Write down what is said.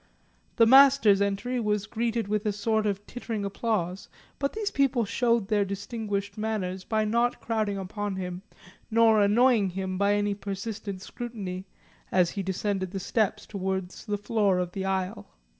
The Master's entry was greeted with a sort of tittering applause, but these people showed their distinguished manners by not crowding upon him nor annoying him by any persistent scrutiny, as he descended the steps towards the floor of the aisle.